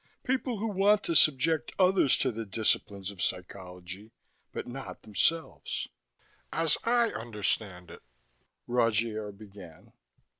People who want to subject others to the disciplines of psychology, but not themselves." "As I understand it " Rogier began.